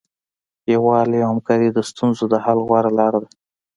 یووالی او همکاري د ستونزو د حل غوره لاره ده.